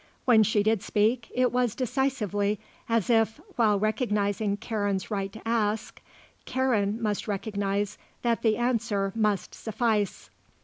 When she did speak, it was decisively as if, while recognising Karen's right to ask, Karen must recognise that the answer must suffice.